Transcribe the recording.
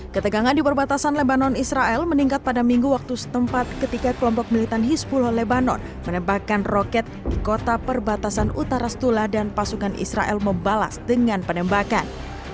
ketegangan di perbatasan lebanon israel meningkat pada minggu waktu setempat ketika kelompok militan hispulo lebanon menembakkan roket di kota perbatasan utara stula dan pasukan israel membalas dengan penembakan